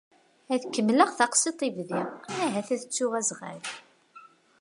Ad kemmleɣ taqsiḍt i bdiɣ ahat ad ttuɣ azɣal.